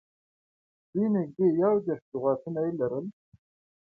دوی نږدې یو دېرش لغاتونه یې لرل.